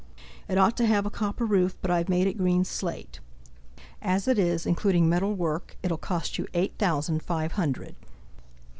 It ought to have a copper roof, but I've made it green slate. As it is, including metal work, it'll cost you eight thousand five hundred."